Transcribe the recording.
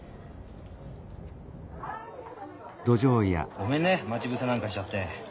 ごめんね待ち伏せなんかしちゃって。